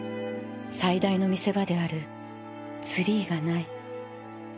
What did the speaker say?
［最大の見せ場であるツリーがない］